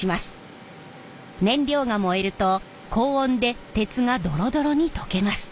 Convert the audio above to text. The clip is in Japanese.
燃料が燃えると高温で鉄がドロドロに溶けます。